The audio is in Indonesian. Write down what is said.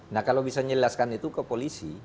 nah kalau bisa menjelaskan itu ke polisi